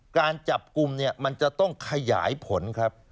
การจับกลุ่มเนี่ยมันจะต้องขยายผลครับ